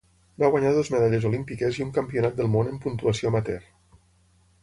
Va guanyar dues medalles olímpiques i un Campionat del món en Puntuació amateur.